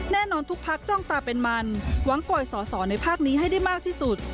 แน่นอนทุกพักจ้องตาเป็นมันหวังโกยสอสอในภาคนี้ให้ได้มากที่สุด